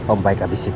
om baik abisin